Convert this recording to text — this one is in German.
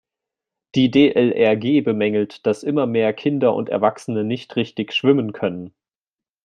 Die DLRG bemängelt, dass immer mehr Kinder und Erwachsene nicht richtig schwimmen können.